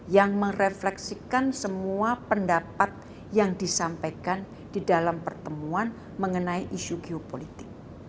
yang merefleksikan semua pendapat yang disampaikan di dalam pertemuan mengenai isu geopolitik